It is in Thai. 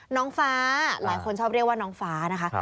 น้องฟ้าหลายคนชอบเรียกว่าน้องฟ้านะคะ